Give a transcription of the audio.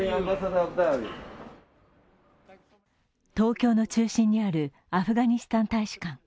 東京の中心にあるアフガニスタン大使館。